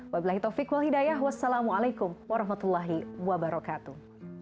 wabillahi taufiq wal hidayah wassalamu'alaikum warahmatullahi wabarakatuh